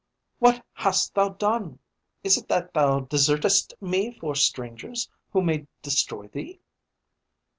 "What hast thou done? Is it that thou desertest me for strangers, who may destroy thee?